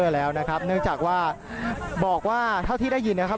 แล้วนะครับเนื่องจากว่าบอกว่าเท่าที่ได้ยินนะครับ